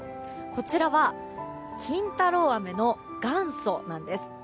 こちらは金太郎飴の元祖なんです。